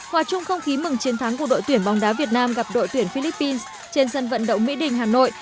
hòa chung không khí mừng chiến thắng của đội tuyển bóng đá việt nam gặp đội tuyển philippines trên sân vận động mỹ đình hà nội